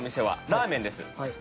ラーメンです。